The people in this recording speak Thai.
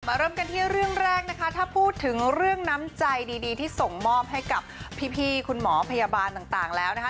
เริ่มกันที่เรื่องแรกนะคะถ้าพูดถึงเรื่องน้ำใจดีที่ส่งมอบให้กับพี่คุณหมอพยาบาลต่างแล้วนะคะ